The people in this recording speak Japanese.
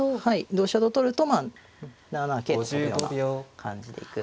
同飛車と取ると７七桂と跳ぶような感じで行く。